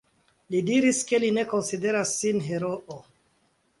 Li diris, ke li ne konsideras sin heroo.